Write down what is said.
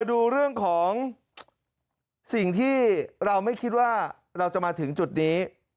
ดูเรื่องของสิ่งที่เราไม่คิดว่าเราจะมาถึงจุดนี้